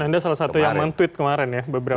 dan anda salah satu yang men tweet kemarin ya beberapa kali